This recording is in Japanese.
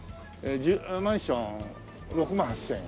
マンション６万８０００円。